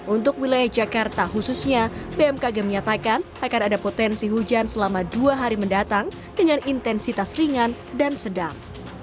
untuk wilayah jakarta khususnya bmkg menyatakan akan ada potensi hujan selama dua hari mendatang dengan intensitas ringan dan sedang